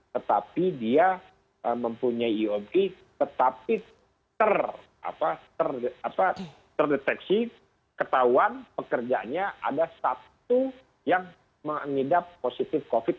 tetapi dia mempunyai iop tetapi terdeteksi ketahuan pekerjanya ada satu yang mengidap positif covid sembilan belas